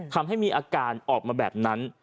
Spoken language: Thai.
ทำให้มีอาการออกมาแบบนั้น